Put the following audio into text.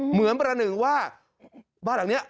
เหมือนประหนึ่งว่าบ้านหลังนี้